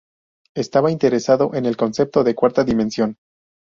Estaba interesado en el concepto de cuarta dimensión.